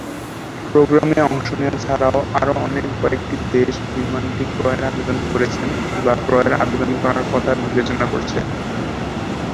প্রোগ্রামে অংশ নেয়া ছাড়াও আরো বেশ কয়েকটি দেশ বিমানটি ক্রয়ের আবেদন করেছে, বা ক্রয়ের আবেদন করার কথা বিবেচনা করছে।